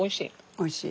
おいしい？